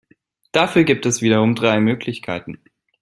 Dafür gibt es wiederum drei Möglichkeiten.